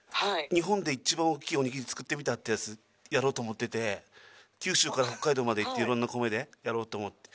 日本で一番大きいおにぎり作ってみたっていうやつやろうと思ってて九州から北海道まで行って色んな米でやろうと思って。